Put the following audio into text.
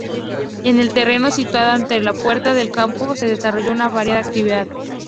En el terreno situado ante la Puerta del Campo se desarrolló una variada actividad.